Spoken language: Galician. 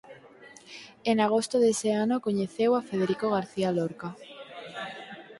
En agosto dese ano coñeceu a Federico García Lorca.